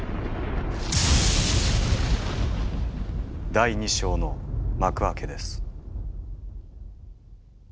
第２章の幕開けです。